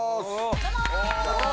どうもー！